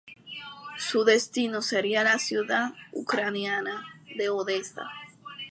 Su destino sería la ciudad ucraniana de Odesa.